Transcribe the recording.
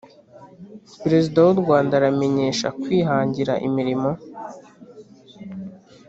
Perezida w’urwanda aramenyeshya kw’ihangira imirimo